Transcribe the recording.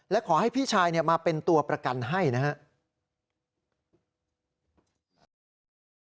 และขอให้พี่ชายมาเป็นตัวประกันให้นะครับ